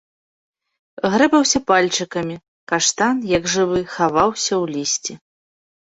Грэбаўся пальчыкамі, каштан, як жывы, хаваўся ў лісці.